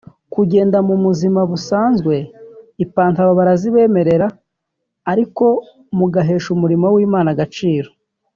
Kugenda mu muzima busanzwe ipantaro barazibemerera ariko mu guhesha umurimo w’Imana agaciro